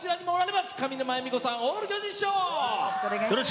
上沼恵美子さん、オール巨人師匠。